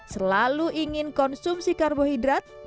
selalu ingin konsumsi karbohidrat